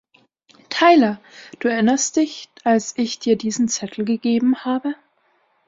Tyler, du erinnerst dich, als ich dir diesen Zettel gegeben habe?